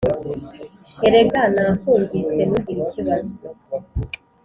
erega nakwumvise nugire ikibazo